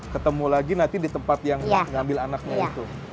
ketemu lagi nanti di tempat yang ngambil anaknya itu